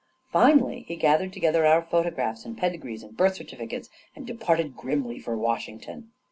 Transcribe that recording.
Finally he gathered together our photographs and pedigrees and birth certificates, and departed grimly for Washington.